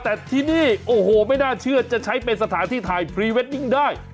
แต่ที่นี่โอ้โหไม่น่าเชื่อจะใช้เป็นสถานที่ถ่ายพรีเวดดิ้งได้